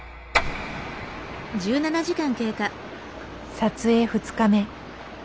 撮影２日目。